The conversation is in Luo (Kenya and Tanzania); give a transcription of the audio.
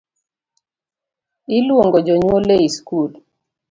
Iluongo jonyuol ie skul .